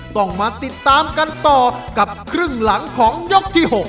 ต้องมาติดตามกันต่อกับครึ่งหลังของยกที่๖